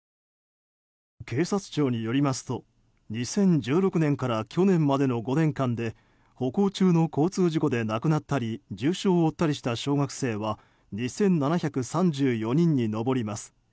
警察庁によりますと２０１６年から去年までの５年間で歩行中の交通事故で亡くなったり重傷を負ったりした小学生は２７３４人に上ります。